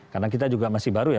karena kita juga masih baru ya